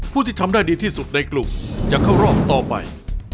ผู้ที่ทำได้ดีที่สุดในกลุ่มจะเข้ารอบต่อไป